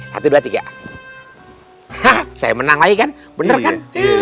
hahaha saya menang lagi kan bener kan